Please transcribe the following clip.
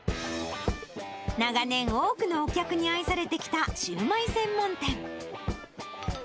長年、多くのお客に愛されてきたシューマイ専門店。